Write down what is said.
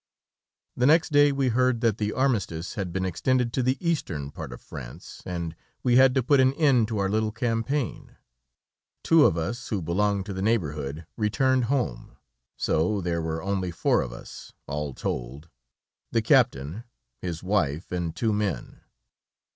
The next day we heard that the armistice had been extended to the Eastern part of France, and we had to put an end to our little campaign. Two of us, who belonged to the neighborhood, returned home, so there were only four of us, all told; the captain, his wife, and two men.